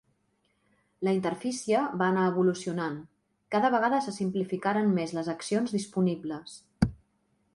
La interfície va anar evolucionant, cada vegada se simplificaren més les accions disponibles.